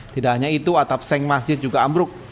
tidak hanya itu atap seng masjid juga ambruk